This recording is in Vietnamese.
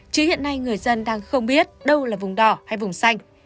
chứ hiện nay người dân đang không biết đâu là vùng đỏ hay vùng xanh